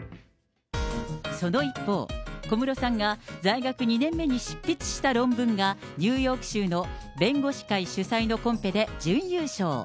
その一方、小室さんが在学２年目に執筆した論文が、ニューヨーク州の弁護士会主催のコンペで準優勝。